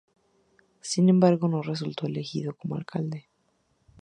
Sin embargo, no resultó elegido como Alcalde.